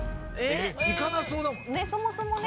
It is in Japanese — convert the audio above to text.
行かなそうだもんね。